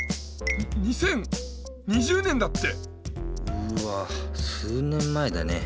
うわ数年前だね。